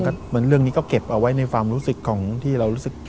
เหมือนเรื่องนี้ก็เก็บเอาไว้ในความรู้สึกของที่เรารู้สึก